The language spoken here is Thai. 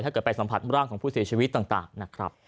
ถ้าเกิดไปสัมผัสร่างของผู้เสียชีวิตต่างนะครับ